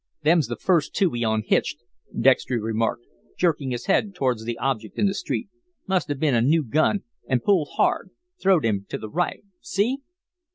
"Them's the first two he unhitched," Dextry remarked, jerking his head towards the object in the street. "Must have been a new gun an' pulled hard throwed him to the right. See!"